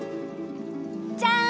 じゃん！